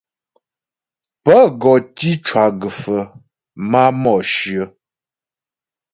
Pə́ gɔ tǐ cwa gə́fə máa Mǒshyə.